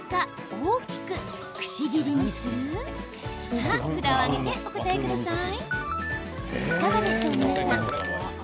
さあ、札を上げてお答えください。